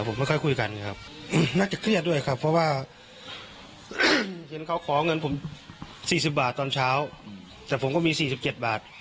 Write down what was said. ผมกินอาหารอีสานแต่เขาเป็นคนไทยเขากินไม่ได้